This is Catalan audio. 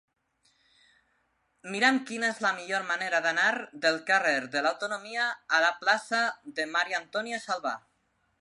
Mira'm quina és la millor manera d'anar del carrer de l'Autonomia a la plaça de Maria-Antònia Salvà.